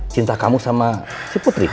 cinta kamu sama si putri